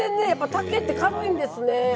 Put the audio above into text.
竹って軽いんですね。